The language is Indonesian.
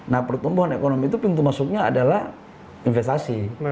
nah pertumbuhan ekonomi itu pintu masuknya adalah investasi